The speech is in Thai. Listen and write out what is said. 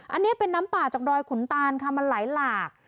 อันนี้เป็นน้ำป่าจากดอยขุนตานค่ะมันไหลหลาก